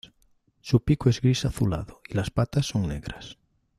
Su pico es gris-azulado y las patas son negras.